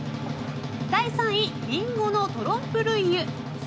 第３位、林檎のトロンプ・ルイユ。